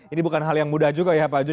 ini bukan hal yang mudah juga ya pak jo